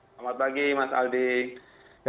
selamat pagi mas aldi